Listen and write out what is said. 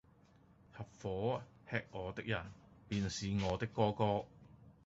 合夥喫我的人，便是我的哥哥！